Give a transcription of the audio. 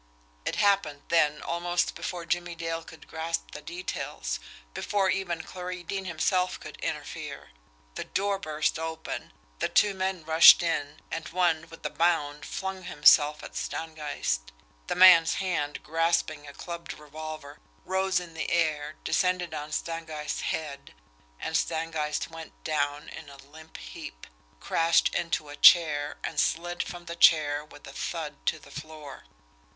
It happened then almost before Jimmie Dale could grasp the details; before even Clarie Deane himself could interfere. The door burst open, two men rushed in and one, with a bound, flung himself at Stangeist. The man's hand, grasping a clubbed revolver, rose in the air, descended on Stangeist's head and Stangeist went down in a limp heap, crashed into the chair, and slid from the chair with a thud to the floor.